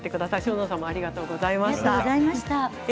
塩之谷さんありがとうございました。